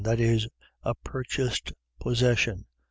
. .that is, a purchased possession.